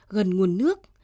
gần nguồn nước